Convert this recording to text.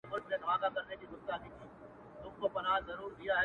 زه څه خبر وم د دنیا د سترګو تور به کرځې